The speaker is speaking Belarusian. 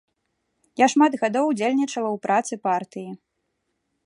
Я шмат гадоў удзельнічала ў працы партыі.